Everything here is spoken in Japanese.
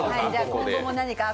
今後も何か、あ